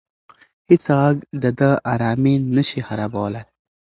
هیڅ غږ د ده ارامي نه شي خرابولی.